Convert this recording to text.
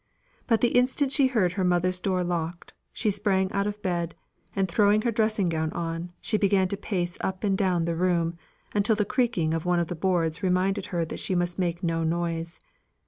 But the instant she heard her mother's door locked, she sprang out of bed, and throwing her dressing gown on, she began to pace up and down the room, until the creaking of one of the boards reminded her that she must make no noise.